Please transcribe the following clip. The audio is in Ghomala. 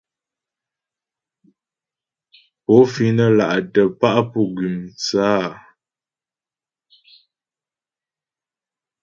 Pó fíŋ nə́ là'tə̀ pá' pú gʉ́m tsə́ a ?